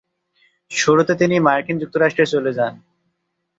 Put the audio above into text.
শুরুতে তিনি মার্কিন যুক্তরাষ্ট্রে চলে যান।